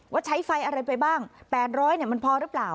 ใช้ไฟอะไรไปบ้าง๘๐๐มันพอหรือเปล่า